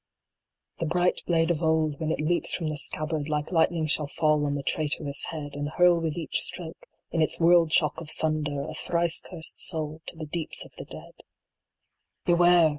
The bright blade of old, when it leaps from the scabbard Like Lightning shall fall on the traitorous head, And hurl with each stroke, in its world shock of thunder, A thrice cursed soul to the deeps of the Dead I 9 6 PRO P ATRIA. Beware